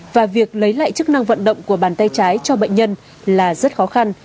và việc lấy lại chức năng vận động của bàn tay trái cho bệnh nhân là rất khó khăn